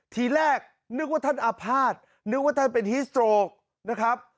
ทีแรกนึกว่าท่านอาภาษณ์นึกว่าท่านเป็นฮิสโตรกนะครับ